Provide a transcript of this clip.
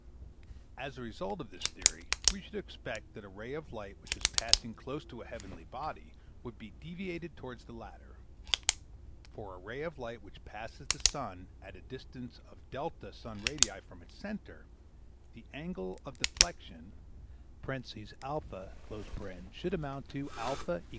As a result of this theory, we should expect that a ray of light which is passing close to a heavenly body would be deviated towards the latter. For a ray of light which passes the sun at a distance of D sun radii from its centre, the angle of deflection (a) should amount to eq.